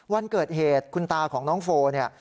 วันเกิดเหตุคุณตาของน้องโฟเนี่ย